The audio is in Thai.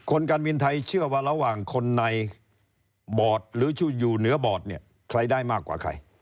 การบินไทยเชื่อว่าระหว่างคนในบอร์ดหรืออยู่เหนือบอร์ดเนี่ยใครได้มากกว่าใคร